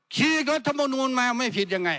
ขีกรัฐมนูลมาไม่ผิดยังไง